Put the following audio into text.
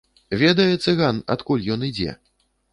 Ведае цыган, адкуль ён ідзе?